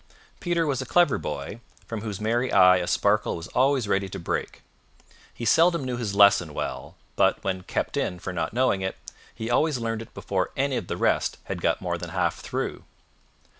Peter was a clever boy, from whose merry eye a sparkle was always ready to break. He seldom knew his lesson well, but, when kept in for not knowing it, had always learned it before any of the rest had got more than half through.